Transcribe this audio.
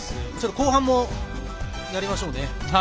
後半もやりましょうね。